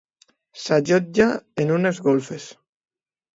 S'allotja en unes golfes.